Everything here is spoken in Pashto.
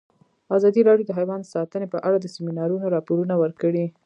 ازادي راډیو د حیوان ساتنه په اړه د سیمینارونو راپورونه ورکړي.